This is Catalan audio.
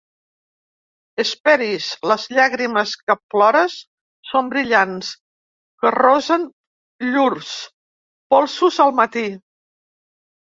Hesperis, les llàgrimes que plores són brillants que rosen llurs polsos al matí.